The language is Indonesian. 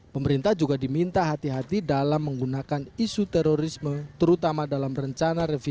pemerintah juga diminta hati hati dalam menggunakan isu terorisme terutama dalam rencana revisi